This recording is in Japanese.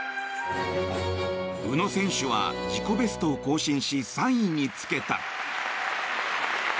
宇野選手は自己ベストを更新し３位につけた。